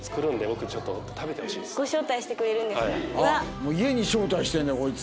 もう家に招待してるねこいつ。